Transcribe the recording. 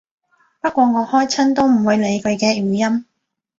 不過我開親都唔會理佢嘅語音